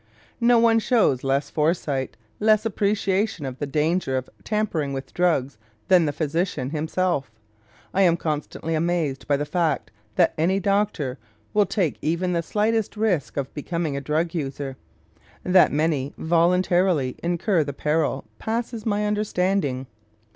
No one shows less foresight, less appreciation of the danger of tampering with drugs, than the physician himself. I am constantly amazed by the fact that any doctor will take even the slightest risk of becoming a drug user. That many voluntarily incur the peril passes my understanding.